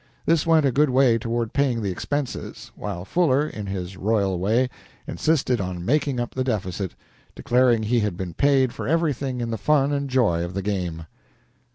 This went a good way toward paying the expenses, while Fuller, in his royal way, insisted on making up the deficit, declaring he had been paid for everything in the fun and joy of the game.